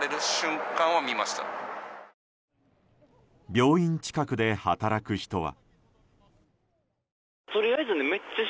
病院近くで働く人は。